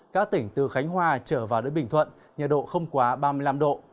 các tỉnh từ khánh hoa trở vào nước bình thuận nhiệt độ không quá ba mươi năm độ